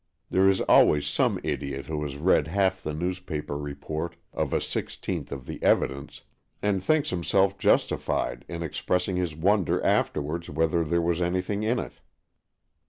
There is always some idiot who has read half the newspaper report of a sixteenth of the evidence, and thinks himself justified in expressing his wonder afterwards whether there was any thing in it.